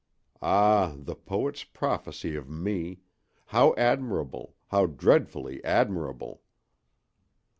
Ah, the poet's prophecy of Me—how admirable, how dreadfully admirable!